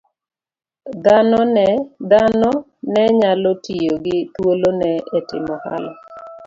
Dhanone nyalo tiyo gi thuolono e timo ohala